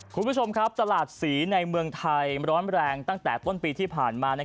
คุณผู้ชมครับตลาดศรีในเมืองไทยร้อนแรงตั้งแต่ต้นปีที่ผ่านมา